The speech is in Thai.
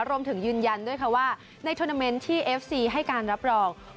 ยืนยันด้วยค่ะว่าในทวนาเมนต์ที่เอฟซีให้การรับรอง